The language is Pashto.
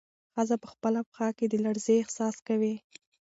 ښځه په خپله پښه کې د لړزې احساس کوي.